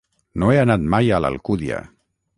No he anat mai a l'Alcúdia.